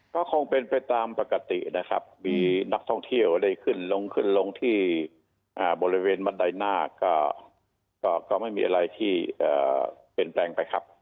ก็คงเป็นไปตามปกตินะครับมีนักท่องเที่ยวได้ขึ้นลงขึ้นลงที่บริเวณบันไดหน้าก็ไม่มีอะไรที่เปลี่ยนแปลงไปครับ